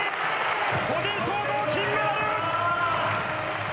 個人総合、金メダル！